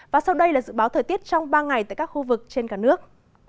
và sau đây là dự báo thời tiết trong ba ngày tại các khu vực trên cả nước